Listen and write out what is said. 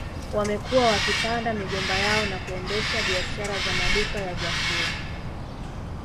Wamekuwa wakipanda migomba yao na kuendesha biashara za maduka ya vyakula